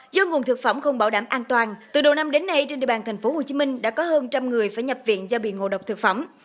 do nguồn thực phẩm không bảo đảm an toàn từ đầu năm đến nay trên địa bàn thành phố hồ chí minh đã có hơn trăm người phải nhập viện do bị ngộ độc thực phẩm